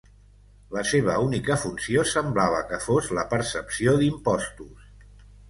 La seva única funció semblava que fos la percepció d'impostos.